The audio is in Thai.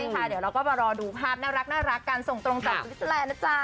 ใช่ค่ะเดี๋ยวเราก็มารอดูภาพน่ารักกันส่งตรงจากวิทยาลัยนะจ๊ะ